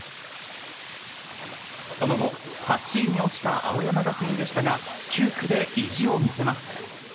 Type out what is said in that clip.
その後、８位に落ちた青山学院でしたが９区で意地を見せます。